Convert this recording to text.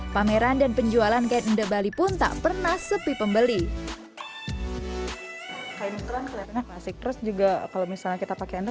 pameran dan penjualan kain indebali pun tak pernah sepi pembeli